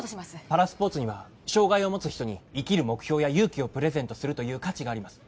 パラスポーツには障がいを持つ人に生きる目標や勇気をプレゼントするという価値があります